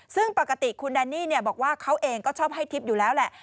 ซึ่งปกติคุณแดนนี่บอกว่าเขาเองก็ชอบให้ทิพย์อยู่แล้วแหละ